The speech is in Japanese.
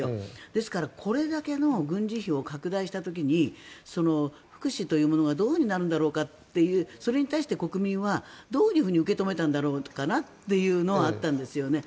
ですからこれだけの軍事費を拡大した時に福祉というものがどういうふうになるんだろうかというそれに対して国民はどう受け止めたんだろうかなというのはあったんですよね。